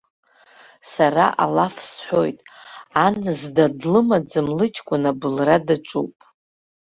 Сара алаф сҳәоит, ан зда длымаӡам лыҷкәын абылра даҿуп!